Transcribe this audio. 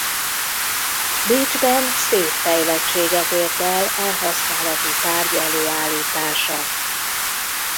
Bécsben szép fejlettséget ért el e használati tárgy előállítása.